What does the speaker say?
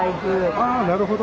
あなるほど。